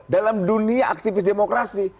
dalam dunia aktivis demokrasi